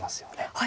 はい。